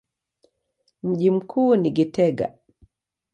Mji mkuu ni Gitega.